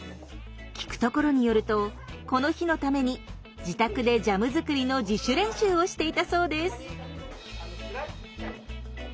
聞くところによるとこの日のために自宅でジャムづくりの自主練習をしていたそうです。